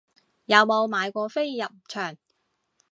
有冇買過飛入場